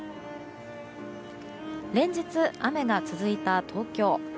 連日、雨が続いた東京。